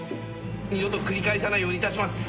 二度と繰り返さないようにいたします。